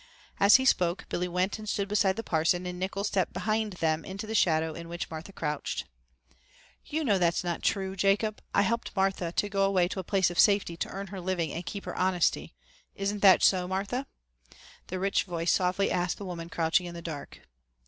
As he spoke Billy went and stood beside the parson and Nickols stepped behind them into the shadow in which Martha crouched. "You know that is not true, Jacob. I helped Martha to go away to a place of safety to earn her living and keep her honesty. Isn't that so, Martha?" the rich voice softly asked the woman crouching in the dark.